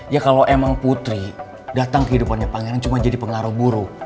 ya kalau emang putri datang kehidupannya pangeran cuma jadi pengaruh buruk